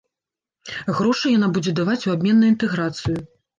Грошы яна будзе даваць у абмен на інтэграцыю.